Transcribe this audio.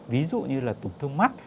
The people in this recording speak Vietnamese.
ví dụ như là tổn thương mắt